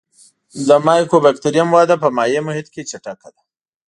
د مایکوبکټریوم وده په مایع محیط کې چټکه ده.